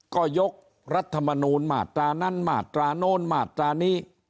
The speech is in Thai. ก็ยกรัฐมนูลมาตรานั้นมาตราโน้นมาตรานี้